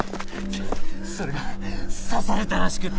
それが刺されたらしくって。